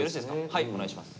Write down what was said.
はいお願いします。